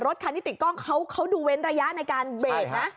รถคันนี้ติดกล้องเขาดูเว้นระยะในการเบค